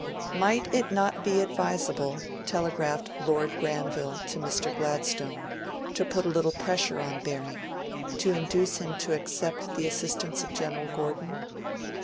'Might it not be advisable,' telegraphed Lord Granville to Mr. Gladstone, to put a little pressure on Baring, to induce him to accept the assistance of General Gordon?'